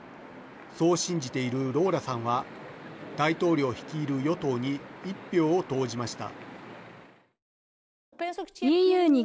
そう信じているローラさんは大統領率いる与党に１票を投じました。